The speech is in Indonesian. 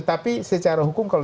tapi secara hukum